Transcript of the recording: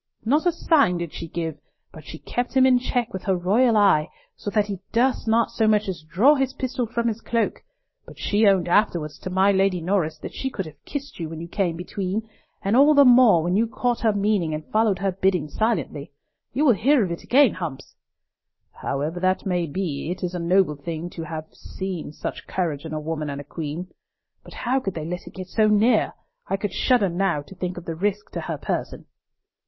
Not a sign did she give, but she kept him in check with her royal eye, so that he durst not so much as draw his pistol from his cloak; but she owned afterwards to my Lady Norris that she could have kissed you when you came between, and all the more, when you caught her meaning and followed her bidding silently. You will hear of it again, Humps." "However that may be, it is a noble thing to have seen such courage in a woman and a queen. But how could they let it go so near? I could shudder now to think of the risk to her person!"